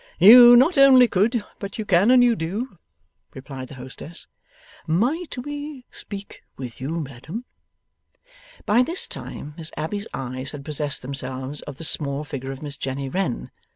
'You not only could, but you can and you do,' replied the hostess. 'Might we speak with you, madam?' By this time Miss Abbey's eyes had possessed themselves of the small figure of Miss Jenny Wren.